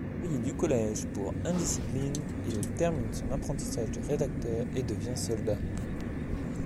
Renvoyé du collège pour indiscipline, il termine son apprentissage de rédacteur et devient soldat.